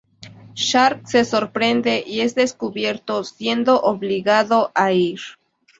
Shark se sorprende y es descubierto siendo obligado a ir.